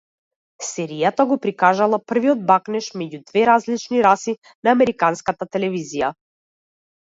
Серијата го прикажала првиот бакнеж меѓу две различни раси на американската телевизија.